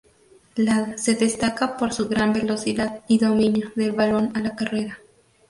Se destaca por su gran velocidad y dominio del balón a la carrera.